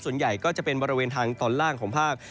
ส่วนใหญ่ก็จะเป็นบริเวณทางตอนล่างของภาค